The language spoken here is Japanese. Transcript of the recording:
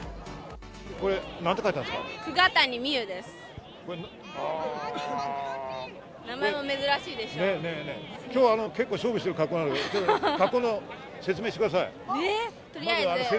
これはなんて書いてあるんですか？